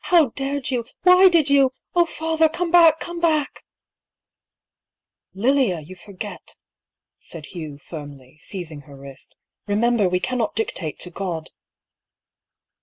" How dared you ? Why did you ? Oh father I come back, come back !"" Lilia ! you forget," said Hugh, firmly, seizing her wrist. " Eemember, we cannot dictate to God